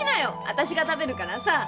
私が食べるからさ。